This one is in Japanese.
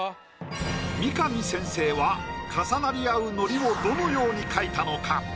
三上先生は重なり合う海苔をどのように描いたのか？